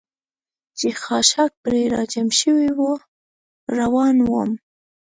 چې خاشاک پرې را جمع شوي و، روان ووم.